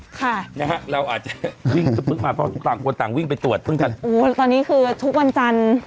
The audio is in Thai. ค่ะนะฮะเราอาจจะวิ่งมาวิ่งไปตรวจตอนนี้คือทุกวันจันทร์